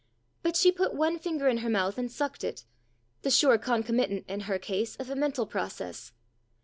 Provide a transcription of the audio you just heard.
But she put one finger in her mouth and sucked it the sure concomitant in her case of a mental process.